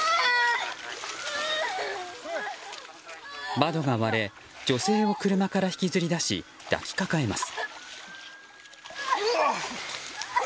窓が割れ女性を車から引きずり出し抱きかかえます。